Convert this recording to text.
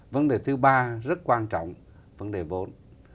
vấn đề thứ ba rất quan trọng vấn đề vốn